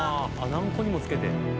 何個にもつけて」